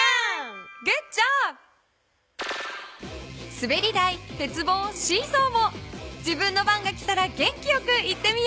すべり台てつぼうシーソーも自分の番がきたら元気よく言ってみよう！